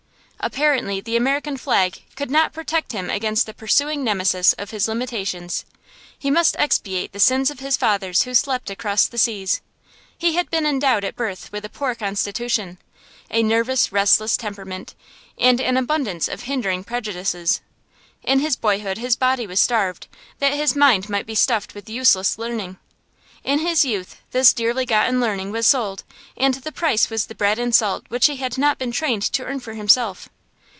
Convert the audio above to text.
Apparently the American flag could not protect him against the pursuing Nemesis of his limitations; he must expiate the sins of his fathers who slept across the seas. He had been endowed at birth with a poor constitution, a nervous, restless temperament, and an abundance of hindering prejudices. In his boyhood his body was starved, that his mind might be stuffed with useless learning. In his youth this dearly gotten learning was sold, and the price was the bread and salt which he had not been trained to earn for himself.